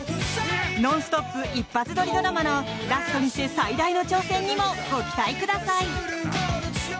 ノンストップ一発撮りドラマのラストにして最大の挑戦にもご期待ください！